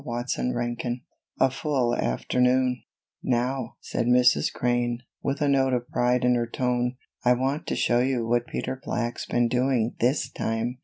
CHAPTER XXII A Full Afternoon "NOW," said Mrs. Crane, with a note of pride in her tone, "I want to show you what Peter Black's been doing this time.